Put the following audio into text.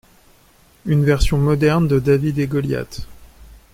Une version moderne de David et Goliath.